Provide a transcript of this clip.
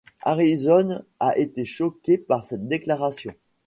Harrison a été choqué par cette déclaration.